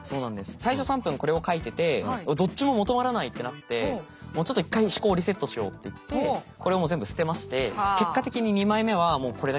最初３分これを書いててどっちも求まらないってなってもうちょっと一回思考をリセットしようっていって結果的に２枚目はもうこれだけですね。